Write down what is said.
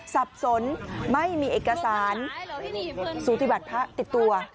สับสนไม่มีเอกสารสูติบัติพระติดตัว